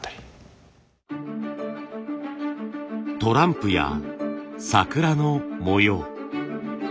トランプや桜の模様。